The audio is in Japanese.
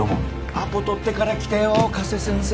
アポ取ってから来てよ加瀬先生